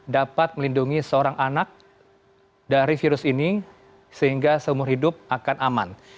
dapat melindungi seorang anak dari virus ini sehingga seumur hidup akan aman